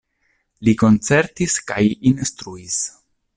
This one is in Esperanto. Li koncertis kaj instruis.